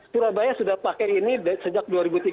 surabaya sudah pakai ini sejak dua ribu tiga belas